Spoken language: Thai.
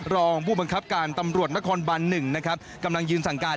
รองผู้บังคับการตำรวจนครบัน๑นะครับกำลังยืนสั่งการ